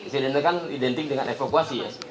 silinder kan identik dengan evakuasi ya